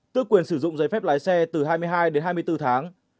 tước quyền sử dụng giấy phép lái xe từ hai mươi hai đến hai mươi bốn tháng